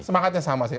semangatnya sama sih